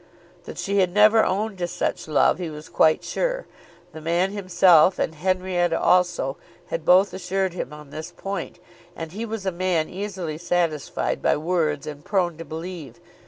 That she had never owned to such love he was quite sure. The man himself and Henrietta also had both assured him on this point, and he was a man easily satisfied by words and prone to believe.